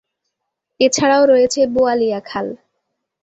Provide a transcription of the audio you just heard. এছাড়াও রয়েছে বোয়ালিয়া খাল।